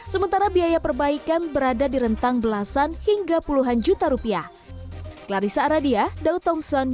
sementara biaya perbaikan berada di rentang belasan hingga puluhan juta rupiah